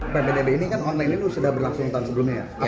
ppdb ini kan online ini sudah berlangsung tahun sebelumnya ya